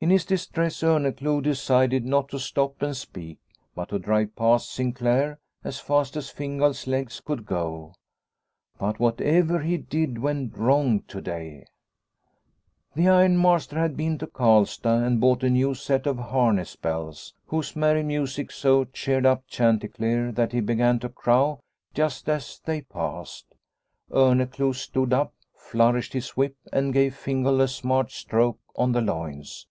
In his distress Orneclou decided not to stop and speak, but to drive past Sinclaire as fast as Fingal's legs could go. But whatever he did went wrong to day. The ironmaster had been to Karlstad and bought a new set of harness bells, whose merry music so cheered up chanticleer that he began to crow just as they passed. Orneclou stood up, flourished his whip and gave Fingal a smart stroke on the loins.